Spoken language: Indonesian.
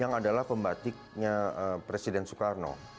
yang adalah pembatiknya presiden soekarno